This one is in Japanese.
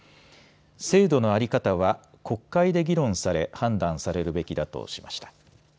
制度の在り方は国会で議論され判断されるべきだとしました。